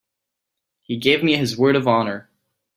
He gave me his word of honor.